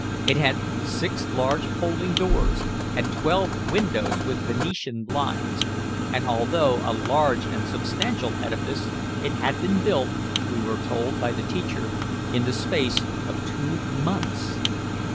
It had six large folding doors, and twelve windows with Venetian blinds; and although a large and substantial edifice, it had been built, we were told by the teacher: in the space of two months!